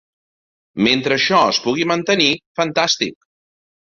Mentre això es pugui mantenir, fantàstic.